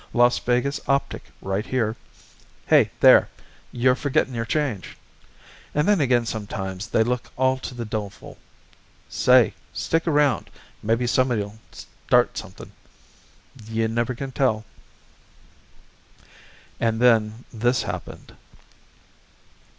Los Vegas Optic right here. Heh there! You're forgettin' your change! an' then again sometimes they look all to the doleful. Say, stick around. Maybe somebody'll start something. You can't never tell." And then this happened.